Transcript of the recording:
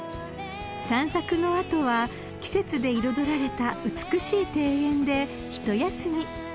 ［散策の後は季節で彩られた美しい庭園で一休み］